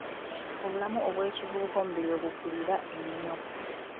Mu bulamu obw'ekivubuka omubiri we gukulira ennyo.